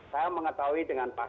saya mengetahui dengan pasal